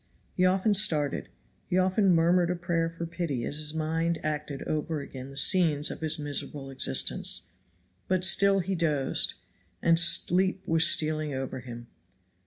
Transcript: He often started, he often murmured a prayer for pity as his mind acted over again the scenes of his miserable existence; but still he dozed, and sleep was stealing over him.